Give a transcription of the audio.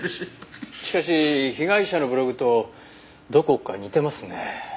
しかし被害者のブログとどこか似てますね。